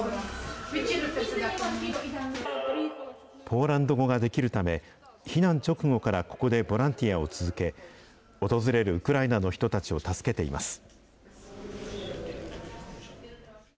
ポーランド語ができるため、避難直後からここでボランティアを続け、訪れるウクライナの人たちを助けています。